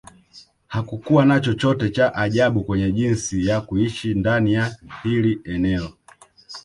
Hakukua na chochote cha ajabu kwenye jinsi ya kuishi ndani ya hili eneo